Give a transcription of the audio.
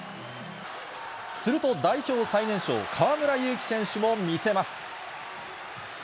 すると、代表最年少、河村勇輝選手も見せます。